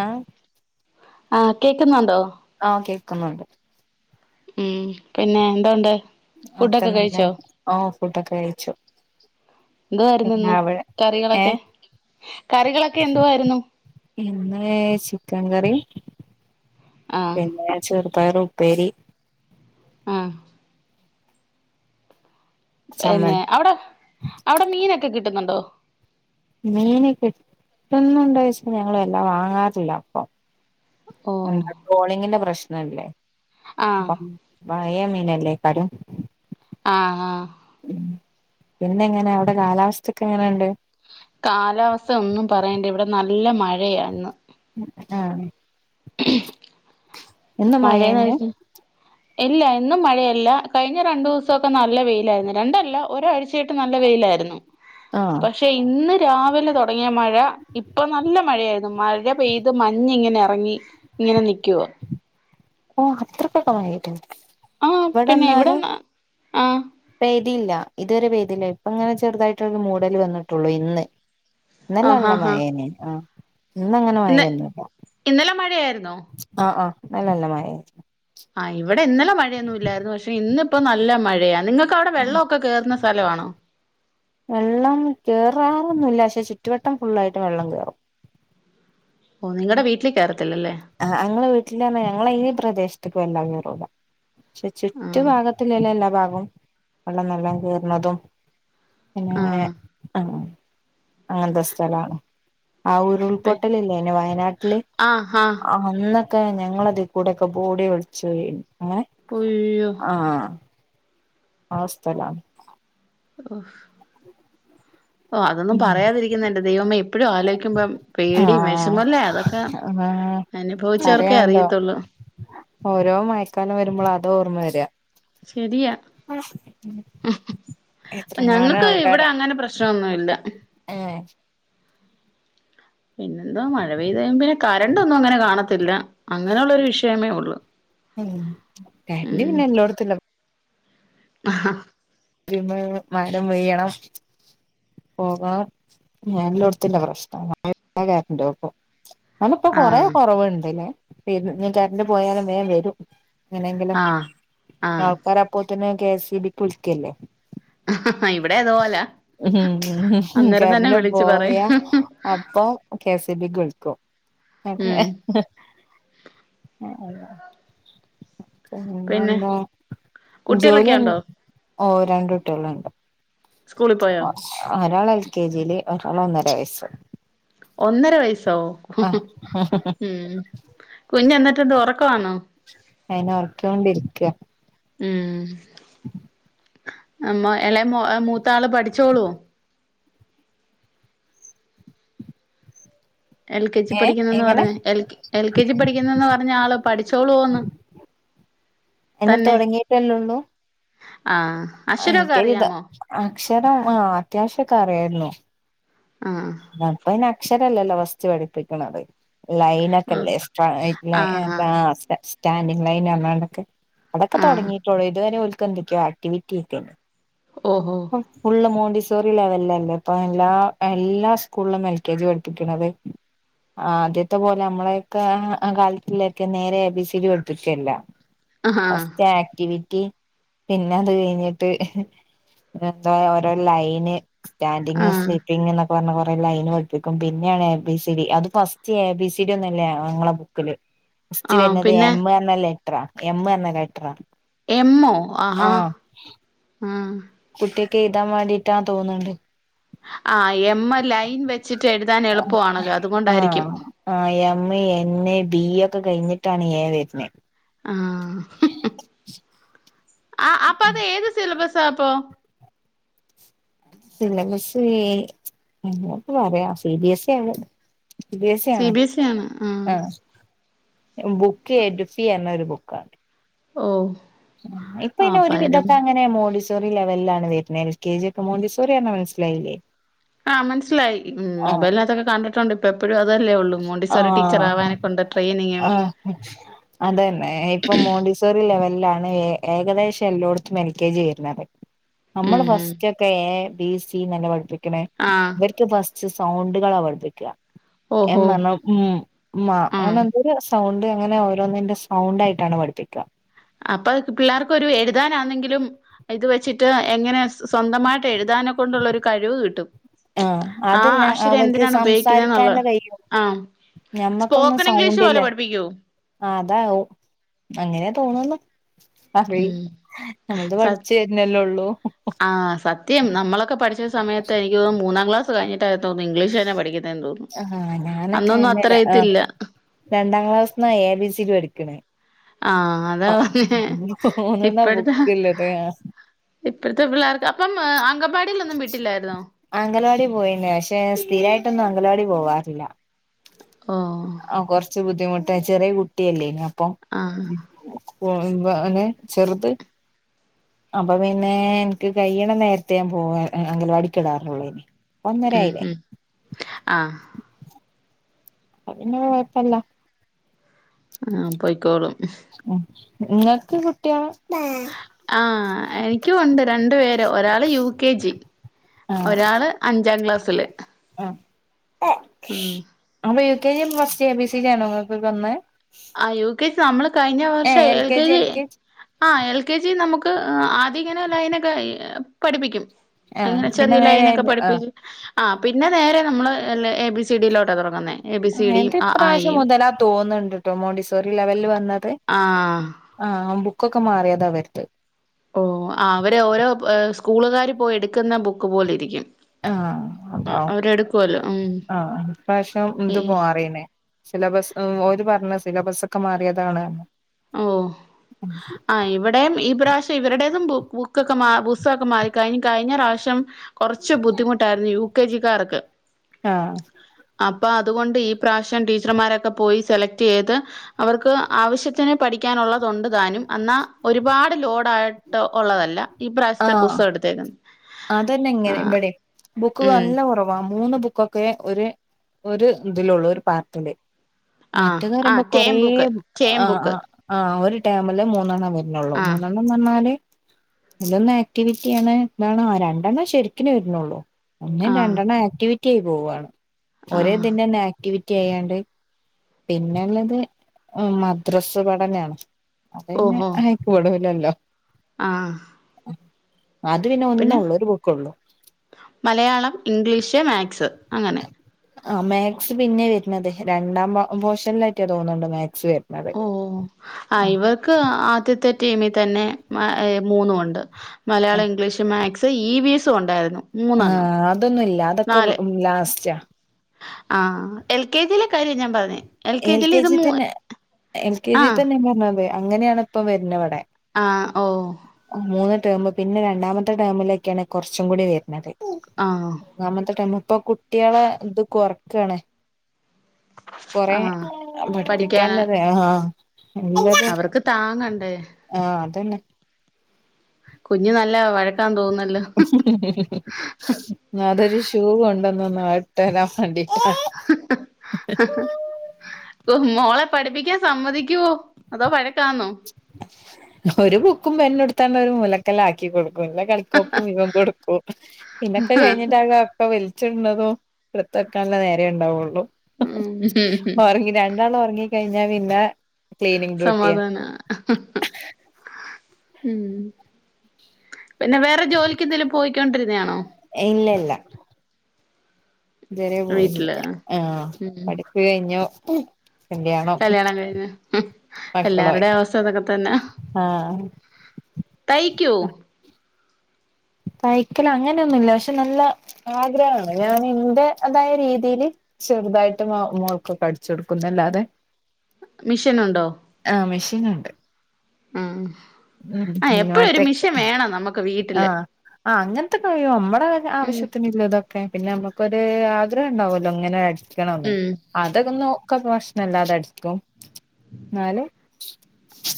ആഹ് ആഹ് കേക്കുന്നുണ്ടോ ആഹ് കേക്കുന്നുണ്ട് ഉം പിന്നെ എന്തോണ്ട് ആഹ് ഫുഡൊക്കെ ക്കെന്നങ്കിലെ കഴിച്ചോ ഓഹ് ഫുഡൊക്കെ കഴിച്ചു എന്തുവാരുന്നു പിന്നെ ഇന്ന് അവിടെ കറികളൊക്കെ ഏഹ് കറികളൊക്കെ എന്തുവാരുന്നു ഇന്ന് ചിക്കൻ കറി ആഹ് പിന്നെ ചെറുപയറ് ഉപ്പേരി ആഹ് പിന്നെ ചമ്മന്തി അവിടെ അവിടെ മീനൊക്കെ കിട്ടുന്നുണ്ടോ? മീന് കിട്ടുന്നുണ്ടോ ചോദിച്ച ഞങ്ങള് എല്ലാം വാങ്ങാറില്ല ഇപ്പൊ ഓ എന്താ കൊളിങ്ങിന്റെ പ്രശ്നല്ലേ ആഹ് അപ്പം പയേ മീനല്ലേക്കാരം ആഹ് ആഹ് പിന്നെങ്ങെനെ അവിടെ കാലാവസ്ഥാെക്കെങ്ങെനെണ്ട് കാലാവസ്ഥ ഒന്നും പറയണ്ട ഇവിടെ നല്ല മഴയാര്ന്ന് ആഹ് [unintelligible] എന്നും മഴയെന്ന് മയേന്നെ വെച്ച ഇല്ല എന്നും മഴയല്ല കഴിഞ്ഞ രണ്ടൂസാെക്കെ നല്ല വെയ്ലാര്ന്നു രണ്ടല്ല ഒരാഴ്ച് ക്കേയ്ട്ട് നല്ല വെയ്ലാര്ന്നു ആഹ് പഷ് ഷേ ഇന്ന് രാവിലെ തൊടങ്ങിയ മഴ ഇപ്പൊ നല്ല മഴയാര്ന്നു മഴ പെയ്ത് മഞ്ഞിങ്ങെനെ എറെങ്ങി ഇങ്ങെനെ നിയ്ക്കുവാ ഓഹ് അത്രക്കൊക്കെ മഴെയ്തോ ആഹ് പിന്നെ ഇവിടെ വെടെന്നാല് ആഹ് പെയ്തീല്ലാ ഇതുവരെ പെയ്തില്ല ഇപ്പാെങ്ങെനെ ചെർതായിട്ടൊന്നു മൂടല് വെന്ന്ട്ടൊള്ളു ഇന്ന് ഇന്നെലെ ആഹ് നല്ല ആഹ് ആഹ് മയേനി ആഹ് ഇന്നങ്ങനെ ഇന്ന് മയേന്നുല്ലാ ഇന്നലെ മഴെയാര്ന്നോ ആഹ് ആഹ് ന്നെലെ നല്ല മയേനി ആഹ് ഇവിടെ ഇന്നെലെ മഴെയൊന്നു ഇല്ലായ്ര്ന്നു പക്ഷെ ഇന്ന്പ്പം നല്ല മഴയാ നിങ്ങ ക്കവ്ടെ വെള്ളാെ ഒക്കെ കേറ്ന്ന സ്ഥലവാണോ വെള്ളം കേറാറൊന്നുല്ല പഷെ ചുറ്റുവട്ടം ഫുള്ളായിട്ട് വെള്ളം കേറും ഓഹ് നിങ്ങടെ വീട്ടില് കേറത്തില്ലല്ലേ ആഹ് അങ്ങെളെ വീട്ടില്ർഞ്ഞാ ഞങ്ങെളെ ഈ പ്രദേശ്ത്ത്ക്ക് വെല്ലാതെ കേറൂലാ ഷെ ആഹ് ചുറ്റുഭാഗത്തില്ലേല്ലെല്ലാ ഭാഗും വെള്ളം നല്ലാം കേർണതും പിന്നെങ്ങെനെ ആഹ് ആഹ് അങ്ങൻത്തെ സ്ഥലാണ് ആഹ് പി ഉരുൾപൊട്ടലില്ലേന്യോ വയനാട്ട്ല് ആഹ് അന്നൊക്കെ ഞങ്ങളെതികൂടെക്കെ ബോഡി ഒൽച്ചാേയെ എങ്ങെനെ ഒയ്യോ ആഹ് ആ സ്ഥലാ ഓഫ് ഓഹ് അതൊന്നും പറയാതിരിക്ക്ന്നാ എന്റെ ദൈവമേ ഇപ്പഴും ആലോയ്ക്കുമ്പം പേടിം ആഹ് വെശമാെല്ലേ അതൊക്ക ആഹ് അന്ഭവിച്ചവർക്കേ പറയാണ്ടോ അറിയത്താെള്ളൂ ഓരോ മയക്കാലം വര്മ്പളും അതാ ഒർമ്മ വെരാ ശെരിയാ എത്രങ്ങാനും ഞങ്ങക്ക് ഇവിടെ അങ്ങനെ പ്രശ് പശ്നാെന്നുവില്ലാ ഏഹ് പിന്നെന്താ മഴ പെയ്ത് കഴ്യ്മ്പയേ കരണ്ടൊന്നും അങ്ങെനെ കാണത്തില്ല അങ്ങെനെ ഒള്ളാെരു വിഷയമേ ഒള്ളു ഉം കരണ്ട് പിന്നെ എല്ലോട്ത്ത്ള്ള അഹ് ഹാ രുമ്മേ മരം പെയ്യെണം പോവാ ഞാനില്ലാേര്ത്ത്ന്റെ പ്രശ്നാ [unintelligible] കര്ണ്ടാേക്കും ന്നാലും ഇപ്പൊ കൊറേ ആഹ് കൊറെവ്ണ്ട്ലേ പിൻ ഞ് കെര്ണ്ട് പോയാലും ബേം വെരും ങ്ങെനെങ്കിലും ആഹ് ആൾക്കാരപ്പോത്തിന് കെ എസ് ഇ ബിക്ക് വിള്ക്കല്ലേ അ ഹ ഹാ ഇവ്ടേം അതു പോലാ ഉം കര്ണ്ട് പറയും പോയാ അപ്പം കെ എസി ബിക്ക് വിൾക്കും അതെ ഉം ഏഹ് അയ പിന്നെ പിന്നെന്താ കുട്ടികളൊക്കെ ജോലി എൻ ഓഹ് രണ്ടുട്ട്യെള് സ്കൂളി പാേയോ? ആഹ് ഒരാള് എൽ കെ ജീല് ഒരാള് ഒന്നെര വെയെസ്സ് ഒന്നെര വെയസ്സോ ഉം കുഞ്ഞ് എന്നിട്ടെന്ത് ഒറക്കവാന്നോ? അയ്നെ ഒറെക്കിയോണ്ടിരിക്കാ ഉം നമ്മെ ഇളേ മോ മൂത്താള് പഠിച്ചോളുവോ? എൽ കെ ജി ഏ പഠിക്കുന്നെന്ന് എങ്ങനെ പറഞ്ഞേ എൽ കെ ജി പഠിക്കുന്നെന്ന് പറഞ്ഞ ആള് പഠിച്ചോളുവോ? [inaudible] എന്ന് തൊടങ്ങീട്ടല്ലേള്ളൂ. ആഹ് അക്ഷരൊക്കെ അറിയാമോ? അക്ഷരം ആഹ് അത്യാവശ്യോക്കെ അറിയാരുന്നു. ആഹ് ആഹ് [unintelligible] അക്ഷരല്ലല്ലോ ഫസ്റ്റ് പഠിപ്പിക്കണത്. ലൈൻ ഒക്കെല്ലേ സ്ട്രയ്റ്റ് ലൈൻ ആഹ് സ്റ്റാൻഡിങ് ലൈൻ അല്ലാണ്ടെക്കെ. അതൊക്കെ ആഹ് തൊടങ്ങിയിട്ടുള്ളൂ ഇതുവെരെ ഇവൽക്കെന്തെക്കെയോ ആക്ടിവിറ്റിയെക്കെയുണ്ട്. ഓഹോ ഫുള്ള് മോണ്ടിസോറി ലെവലല്ലേ അപ്പ എല്ലാ എല്ലാർക്കും സ്കൂളും എൽ കെ ജി പഠിപ്പിക്കണത് ആഹ് ആദ്യത്തെപ്പോലെ നമ്മെളെക്കെ കാലത്തിലെക്കെ നേരെ A B C D പഠിപ്പിക്കയെല്ലാ. [inaudible] First activity പിന്നെ അത് കഴിഞ്ഞിട്ട് എന്താ ഓരോ ലൈന്. സ്റ്റാൻഡിങ് ആഹ് സ്ലീപ്പിങ്ന്നെക്കെ പറഞ്ഞ് കൊറെ. ലൈന് പഠിപ്പിക്കും പിന്നെയാണ് എ ബി സി ഡി അത് first A B C D ഒന്നില്ല ഞങ്ങെളെ ബുക്കില്. ഫസ്റ്റ് ആഹ് വെരുന്നത് പിന്നെ എം എന്ന ലെറ്ററാ എമ്മ് എന്ന ലെറ്ററാ. എമ്മോ ആഹാ ആഹ് കുട്ട്യാക്ക് എതാൻ വേണ്ടിയിട്ടാ തോന്നുണ്ട്. ആഹ് എമ്മ് ലൈൻ വെച്ചിട്ട് എഴുതാൻ എളുപ്പവാണല്ലോ അതുകൊണ്ടാരിക്കും. ആഹ് ആഹ് എം എൻ ബി ഒക്കെ കഴിഞ്ഞിട്ടാണ് ഏഹ് വെരുന്നേ. ആഹ് ആഹ് ആഹ് അപ്പ അത് ഏത് സിലബെസ്സാപ്പോ സിലബെസ് എ അങ്ങനെക്കെ പറയാം സി ബി എസ് എഴുതന്. സി ബി എസ്സ് സി ആണോ ബി എസ് ഇ ആണ് ആഹ് ബുക്ക് എ ബി സി എന്നൊരു ബുക്കാണ് ഓഹ് ഇപ്പൊ ആഹ് ഇന് അപ്പ ഒരു അതിലും വിധൊക്കെ അങ്ങനെ മോണ്ടി റി ലെവലിലാണ് വരുന്നത് എൽ കെ ജി മോണ്ടി സോറി പറ മനസ്സിലായില്ലേ ആഹ് മനസ്സിലായി ആഹ് മൊബൈലിനകത്തൊക്കെ കണ്ടിട്ടുണ്ട് ഇപ്പ എപ്പോഴും അതല്ലേ ഉള്ളൂ മണ്ടീവറി ടീച്ചർ ആഹ് ആവാനെ കൊടെയിനിങ്ങും [unintelligible] അതന്നെ ഇപ്പൊ മോണ്ടിസോറി ലെവലിലാണ് ഏഹ് ഏകദേശം എല്ലായിടത്തും എൽ കെ ജി വരുന്നത് നമ്മൾ ഉം ഉം ഫസ്റ്റ് ഒക്കെ എ ബി സി നല്ലെ പഠിപ്പിക്കണേ ആഹ് ഇവർക്ക് ഫസ്റ്റ് സൗണ്ടുക പഠിപ്പിക്ക എം ഓഹോ ഉം ആഹ് അങ്ങനെ എന്ത സൗണ്ട് അങ്ങനെ ഓരോന്നിന്റെ സൗണ്ട് ആയിട്ടാണ് പഠിപ്പിക്കുക അപ്പൊ പിള്ളേർക്കൊ ഒരു എഴുതാനാന്നെങ്കിലും ഇത് വെച്ചിട്ട് എങ്ങനെ സ്വന്തമായിട്ട് എഴുതാനെ കൊണ്ടുള്ള ഒരു കഴിവ് കിട്ടും ആഹ് ആഹ് അതല്ല അക്ഷരം അവർക്ക് എന്തിനാണ് സംസാരിക്കാനല്ല ഉപയോഗിക്കുന്നെന്നുള്ളത് കഴിയും ആഹ് ഞമ്മക്കൊന്നും സ്പോക്കൺ ഇംഗ്ലീഷ് സൗണ്ടില്ല പോലെ പഠിപ്പിക്കോ ആഹ് അതാവും അങ്ങനെയ തോന്നന്ന് അറി ഉം നമ്മൾത് സ പഠിച്ചു തരുന്നല്ലേള്ളൂ സദ്യം നമ്മളക്കെ പഠിച്ച സയത്ത് എനിക്ക് തന്നൂന്നാം ക്ലാസ് കിട്ടായിരുന്നു തന്ന ഇംഗ്ലീഷ തന്നെ പഠുന്നതെന്ന് തന്നും ആഹ് ഞാനൊക്കെ അന്ന് ആഹ് രണ്ടാം ക്ലാസ്ന്നാ എ ബിസി പഠിക്കണേ ആഹ് അതാ പറഞ്ഞെ മൂന്നന്നാ ഇപ്പഴത്തെ ബുക്ക്ള്ളത് ആഹ് ഇപ്പോഴത്തെ പിള്ളേർക്ക് അപ്പം അങ്കംവാടീലൊന്നും വിട്ടില്ലാരുന്നോ? അംഗലവാടി പോയിന്നു പക്ഷെ സ്ഥിരായിട്ടൊന്നും അംഗലവാടി പോവാറില്ല ഓ ആഹ് കൊറച്ചു ബുദ്ധിമുട്ടാ ചെറിയ കുട്ടിയല്ലേനു അപ്പം ആഹ് ഉം ഓ നെ ചെറുത് അപ്പം പിന്നെ എനിക്ക് കൈയണം നേരത്തെ ഞാൻ പോവാ അങ്കലവാടിക്കിടാറുള്ളേനി ഉം ഉം ആഹ് അപ്പപ്പിന്നെ പ്പൊല്ല ആഹ് പോയിക്കോളും നിങ്ങക്ക് കുട്ടിയോള് ആഹ് എനിക്കും ഒണ്ട് രണ്ടു പേര് ഒരാള് യു കെ ജി ആഹ് ഒരാള് അഞ്ചാം ക്ലാസ്സില് ആഹ് ഉം അപ്പൊ യു കെ ജി യും ഫസ്റ്റ് എ ബി സി ഡിയാണോ ങ്ങക്കൊക്കെ വന്നേ ആഹ് യു കെ ജി നമ്മള് കഴിഞ്ഞ വർഷം എൽ കെ ജി ആഹ് എൽ കെ ജി നമുക്ക് ആദ്യം ഇങ്ങനെ ലൈനൊക്കെ പഠിപ്പിക്കും ആഹ് അങ്ങനെ പിന്നെ ചെറിയ നേരെ ലൈനൊക്കെ ആഹ് പഠിപ്പിക്കും ആഹ് പിന്നെ നേരെ നമ്മള് എ ബി സി ഡി യിലോട്ടാ തുടങ്ങുന്നേ എ ബി സി ഡിയും എൻ്റെ അ ആ ഇപ്രാവശ്യം ഇയും മുതലാ തോന്നുന്നുണ്ട് ട്ടോ മോണ്ടിസോറി ലെവല് വന്നത് ആഹ് ആഹ് ബുക്കൊക്കെ മാറിയതാ വരുത്ത് ഓ ആ അവര് ഓരോ സ്കൂളുകാര് പോയി എടുക്കുന്ന ബുക്ക് പോലിരിക്കും ആഹ് അതാ ഉം ആഹ് ഇപ്രാവശ്യം ഇത് മാറീന് സിലബസ് ഓരു പറഞ്ഞു സിലബസ്സൊക്കെ മാറിയതാണ് ഓഹ് ആഹ് ഇവിടെയും ഈ പ്രാവശ്യം ഇവരുടേതും ബു ബുക്കൊക്കെ മാ പുസ്തകൊക്കെ മാറി കഴി കഴിഞ്ഞ പ്രാവശ്യം കൊറച്ചു ബുദ്ധിമുട്ടായിരുന്നു യു കെ ജി ക്കാർക്ക് ആഹ് അപ്പൊ അതുകൊണ്ട് ഈ പ്രാവശ്യം ടീച്ചർമാരൊക്കെ പോയി സെലക്ട് ചെയ്ത് അവർക്ക് ആവശ്യ ത്തിന് പഠിക്കാനുള്ളതൊണ്ട് താനും എന്നാ ഒരുപാട് ലോഡായിട്ട് ഒള്ളതല്ല ഈ പ്രാവശ്യത്തെ ആഹ് പുസ്തകം എടുത്തേനു അതന്നെ ഇങ്ങനെ ഇവിടേം ബുക്ക് ഉം നല്ല കൊറവാ മൂന്ന് ബുക്കൊ ക്കെ ഒരു ഒരു ഇതിലുള്ളൂ ഒരു പാർട്ടില് ആ മറ്റേന്ന് ആ പറയുമ്പോ ടേം കൊറേ ബുക്ക് ടേം ആ ആ ബുക്ക് ആഹ് ഒരു ടേമില് മൂന്നെണ്ണം വരണേള്ളൂ ആ മൂന്നെണ്ണം മൂന്നെണ്ണായില് അതിലൊന്ന് ആക്ടിവിറ്റി ആണ് എന്താണ് ആ രണ്ടെണ്ണം ശരിക്കിന് വരുന്നുള്ളൂ ഒന്നും ആ രണ്ടെണ്ണം ആക്ടിവിറ്റി ആയി പോവുവാണ് ആ ഒരേ ഇതിൻ്റെ തന്നെ ആക്ടിവിറ്റ് റ്റി ചെയ്യാണ്ട് പിന്നെള്ളത് മദ്രസ് പഠനാണ് അതന്നെ അയ്ക്ക് പടൂലല്ലോ ആഹ് അത് പിന്നെ പിന്നെ ഒന്നൊള്ളൂ ഒരു ബുക്കൊള്ളൂ മലയാളം ഇംഗ്ലീഷ് മാത്സ് അങ്ങനെ ആ മാത്സ് പിന്നെ വരണത് രണ്ടാം പോർഷനിലായിട്ടാ തോന്നുന്നുണ്ട് മാത്സ് വരുന്നത് ഓ ആഹ് ഇവർക്ക് ആദ്യത്തെ ടേമി തന്നെ മൂന്നും ഒണ്ട് Malayalam English maths E V എസും ഒണ്ടായിരുന്നു ആഹ് അതൊന്നുമില്ല അതൊക്കെ ലാസ്റ്റാ ആഹ് എൽ കെ ജീലെ കാര്യാ ഞാൻ പറഞ്ഞേ എൽ ജിൽ കെ ഇത് ജി മൂ തന്നെ എൽ കെ ജി ആഹ് തന്നെ ഞാമ്പറഞ്ഞത് അങ്ങനെയാണ് ഇപ്പ വരുന്ന ഇവിടെ ആഹ് ഓ മൂന്ന് ടേമ് പിന്നെ രണ്ടാമത്തെ ടേമിലെക്കെണ് കുറച്ചും കൂടി വരുന്നത് ആഹ് ന്നാമത്തെടേമ് ഇപ്പൊകുട്ടിയാളെ ഇത് കൊറക്കാണ് കൊറെ ആഹ് പഠിക്കാന് പഠിപ്പിക്കാല്ലതേ ആഹ് നല്ലത് അവർക്ക് താങ്ങണ്ടേ ആഹ് അതന്നെ കുഞ്ഞ് നല്ല വഴക്കാന്ന് തോന്നുന്നല്ലോ അതൊരു ഷൂ കൊണ്ടന്നന്നാഅഹ് ഇട്ടേരാം വാണ്ടിട്ടാ ഓഹ് മോളെ പഠിപ്പിക്കാൻ സമ്മതിക്ക്യോ അതോ വഴക്കാന്നോ ഒരു ബുക്കും പെന്നു ഇടുത്താണ്ട് ഒരു മുലക്കല് ആക്കി കൊടുക്കുംല്ല കളി തൊപ്പു ഇവം കൊടുക്കും പിന്നൊക്കെ കഴിഞ്ഞിട്ടാകെ പ്പൊ വലിച്ചിട്ണതും ഇട്ത്തക്കാല്ലേ നേരേണ്ടാവുള്ളൂ ഉം ഒറങ്ങി രണ്ടാളും ഒറങ്ങി കഴിഞ്ഞാ പിന്നാ സമാധാനാ ഉം പിന്നെ വേറെജോലിക്കെന്തേലും പോയിക്കൊണ്ടിരുന്നയാണോ ഇല്ലല്ല ഇതുവരെ പോയില്ല വീട്ടില് ആഹ് ഉം പഠിപ്പ് കഴിഞ്ഞു കല്യാണം കല്ല്യാണം കഴിഞ് മക്കളായി എല്ലാരുടെ അവസ്ഥ ഇതൊക്കെ തന്നെ ആഹ് തയ്‌ക്യൂ തയ്ക്കലങ്ങനെയൊന്നുല്ല പക്ഷെ നല്ല ആഗ്രഹാണ് ഞാന് ന്റെതായ രീതിയില് ചെറുതായിട്ട് മൊ മോൾക്കൊക്കടിച്ചൊടുക്കുന്നല്ലാതെ മിഷനുണ്ടോ മെഷീനുണ്ട് ഉം ഉം ആഹ് എപ്പഴും ഒരു മറ്റേ മിഷൻ വേണം നമ്മക്ക് വീട്ടില് ആഹ് ആഹ് അങ്ങൻത്തെ കഴിയോ മ്മളേ ഉം ആവശ്യത്തിനില്ലതൊക്കെ പിന്നെ നമ്മക്കൊരൂ ആഗ്രഹംണ്ടാവല്ലോ ഇങ്ങനെ അടി ക്കണംന്ന് ഉം അതൊക്കൊന്ന് നോ ക്ക പ്രശ്നല്ലാതെ അടിക്കും ഇന്നാലും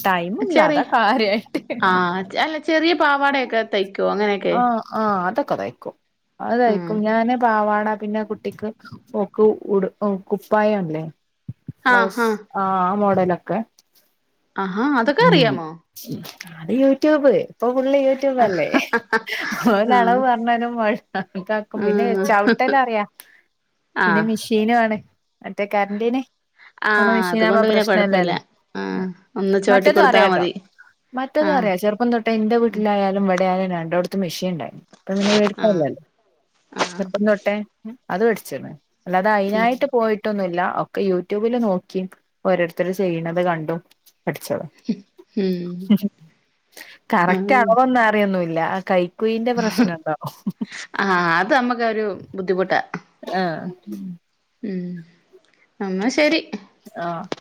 ടൈമില്ലാ ചെറിയ അതാ കാര്യായിട്ട് ആഹ് അച് അല്ല ചെറിയ പാവാടെക്കെ തയ്ക്കോ അങ്ങനെക്കെ ആഹ് ആഹ് അതൊക്കെ തയ്ക്കും അത് തയ്ക്കും ആഹ് ഞാന് പാവാടാ പിന്നെ കുട്ടിക്ക് ഓക്ക് ഉട് ഒഹ് കുപ്പായല്ലേ ബ്ലൗസ് ആഹ് ആമോഡലൊക്കെ അഹാ അതൊക്കെ അറിയാമോ അത് യൂട്യൂബ് ഇപ്പൊഫുള്ള് യൂട്യൂബല്ലേ ആഹ് ഓലളവ് പറഞ്ഞാലും [unintelligible] പിന്നെ ചവിട്ടലറിയാ ആഹ് റ്റിനു ആണ് മറ്റേ കരൻ്റിന് ആഹ് അതുകൊണ്ട് പിന്നെ കൊഴപ്പല്ല ആഹ് ഒന്ന് ചവിട്ടി മറ്റതു കൊടുത്താ അറിയാട്ടോ മതി മറ്റതു ആഹ് അറിയാ ചെറുപ്പംതൊ ഇപ്പന്റെ വീട്ടിലായാലും ഇവിടായാ രണ്ടോട്ത്തും മെഷീണ്ട് പ്പംപിന്നെ ആഹ് വേടിക്കാല്ലല്ല ചെറ്പ്പം തൊട്ടേ അത് പടിച്ച്ണ് അല്ലാതെ ഉം അയ്നായിട്ട് പോയിട്ടൊന്നുല്ല ഒക്കെ യൂട്യൂബില് നോക്കി ഓരോരുത്തര് ചെയ്യ്ണത് കണ്ടും പട്ച്ചോളും ഉം കറക്റ്റ് അളവൊന്നറിയൊന്നുല്ല ആ കയ് കുയിന്റെ പ്രശ്നണ്ടോ ആഹ് അത് അമ്മക്കൊരു ബുദ്ധിമുട്ടാ ആഹ് ഉം അന്നാ ശരി ആഹ്